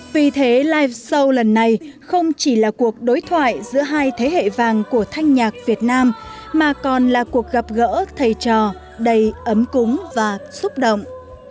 vì thế live show lần này không chỉ là cuộc đối thoại giữa hai thế hệ vàng của thanh nhạc việt nam mà còn là cuộc gặp gỡ thầy trò đầy ấm cúng và xúc động